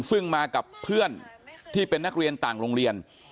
ซึ่งมากับเพื่อนที่เป็นนักเรียนต่างโรงเรียน